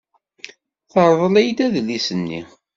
Terḍel-iyi-d adlis-nni.